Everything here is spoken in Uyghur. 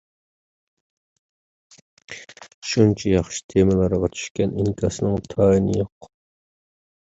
شۇنچە ياخشى تېمىلارغا چۈشكەن ئىنكاسنىڭ تايىنى يوق.